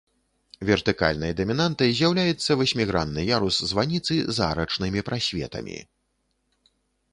Вертыкальнай дамінантай з'яўляецца васьмігранны ярус званіцы з арачнымі прасветамі.